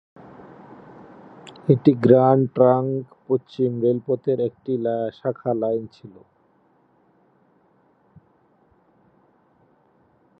এটি Grand Trunk পশ্চিম রেলপথের একটি শাখা লাইন ছিল।